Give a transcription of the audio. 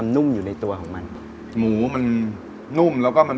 สูตรนี้คือคิดค้นใหม่เลย